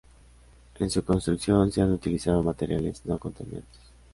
En su construcción, se han utilizado materiales no contaminantes.